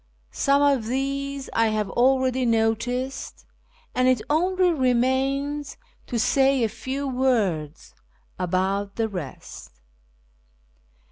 Some of these I have already noticed, and it only remains to say a few words about the rest.